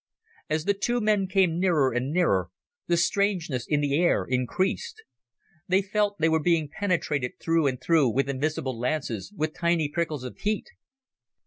As the two men came nearer and nearer, the strangeness in the air increased. They felt they were being penetrated through and through with invisible lances, with tiny prickles of heat.